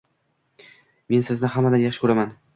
Men sizni hammadan yaxshi kuraman